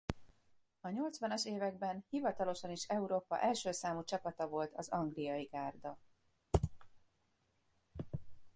A nyolcvanas években hivatalosan is Európa első számú csapata volt az angliai gárda.